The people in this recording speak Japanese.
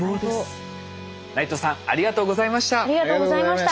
内藤さんありがとうございました。